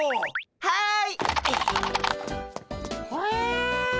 はい。